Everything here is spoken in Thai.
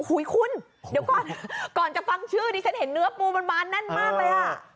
คุยคุณเดี๋ยวก่อนก่อนจะฟังชื่อดิฉันเห็นเนื้อปูมันมาแน่นมากเลยอ่ะ